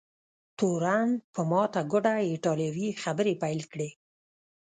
تورن په ماته ګوډه ایټالوي خبرې پیل کړې.